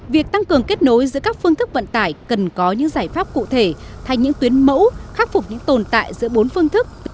việc tăng cường kết nối giữa các phương thức vận tải cần có những giải pháp cụ thể thành những tuyến mẫu khắc phục những tồn tại giữa bốn phương thức